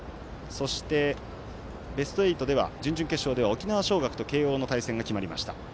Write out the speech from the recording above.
そして、ベスト８では準々決勝では、沖縄尚学と慶応の対戦が決まりました。